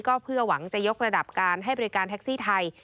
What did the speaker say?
ก็เพื่อหวังจะยกระดับการให้บริการแท็กซี่ไทย